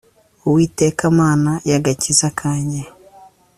uwiteka, mana y'agakiza kanjye